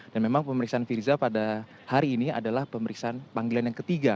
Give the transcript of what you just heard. dan memang pemeriksaan firza pada hari ini adalah pemeriksaan panggilan yang ketiga